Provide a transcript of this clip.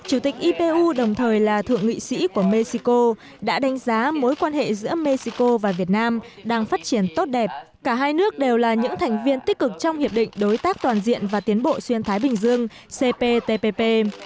chủ tịch ipu đồng thời là thượng nghị sĩ của mexico đã đánh giá mối quan hệ giữa mexico và việt nam đang phát triển tốt đẹp cả hai nước đều là những thành viên tích cực trong hiệp định đối tác toàn diện và tiến bộ xuyên thái bình dương cptpp